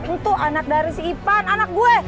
itu anak dari si ipan anak gue